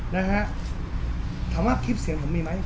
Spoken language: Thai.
แล้วก็เขาก็พูดกับผมว่าต้องแจงต้องแจงผมก็ถามว่า